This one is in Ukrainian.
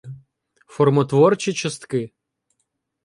Формотворчі частки